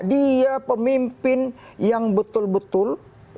dia pemimpin yang betul betul